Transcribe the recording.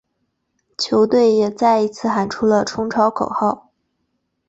球队也再一次喊出了冲超口号。